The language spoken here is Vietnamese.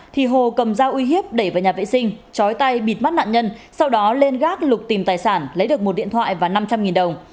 thì hồ cầm dao uy hiếp đẩy vào nhà vệ sinh chói tay bịt mắt nạn nhân sau đó lên gác lục tìm tài sản lấy được một điện thoại và năm trăm linh đồng